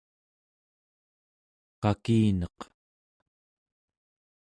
qakineq